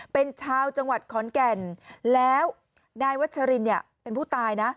เป็นชาวจังหวัดขอนแก่นแล้วนายวัชรินเนี่ยเป็นผู้ตายนะ